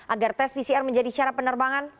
agar tes pcr menjadi syarat penerbangan